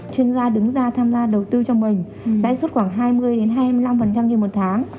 chuyên gia đứng ra tham gia đầu tư cho mình đã xuất khoảng hai mươi đến hai mươi năm như một tháng